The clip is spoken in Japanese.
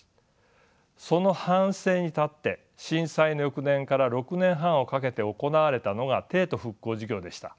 その反省に立って震災の翌年から６年半をかけて行われたのが帝都復興事業でした。